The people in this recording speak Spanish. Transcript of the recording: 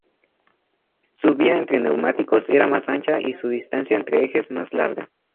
Su vía entre neumáticos era más ancha y su distancia entre ejes más larga.